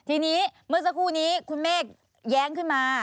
ทีนี้เมื่อสักครู่นี้คุณเมฆแย้งขึ้นมา